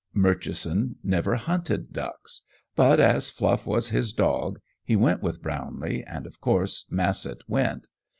Murchison never hunted ducks, but as Fluff was his dog, he went with Brownlee, and of course Massett went.